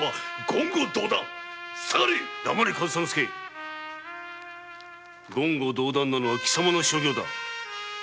言語道断なのは貴様の所業だ。